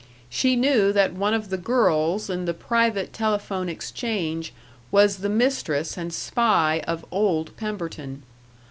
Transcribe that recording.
She knew that one of the girls in the private telephone exchange was the mistress and spy of old Pemberton.